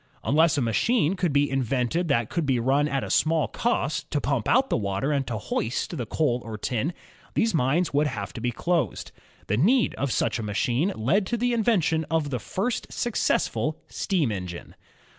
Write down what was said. Unless a machine should be in vented which could be run at a small cost, to pump out the water and to hoist the coal or tin, these mines would have to be dosed. The need of such a machine led to the in vention of the first successful steam engine.